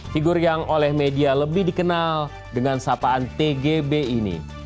figur yang oleh media lebih dikenal dengan sapaan tgb ini